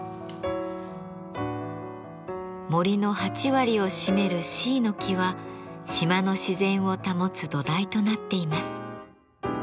森の８割を占めるシイの木は島の自然を保つ土台となっています。